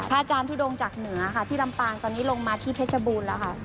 อาจารย์ทุดงจากเหนือค่ะที่ลำปางตอนนี้ลงมาที่เพชรบูรณ์แล้วค่ะ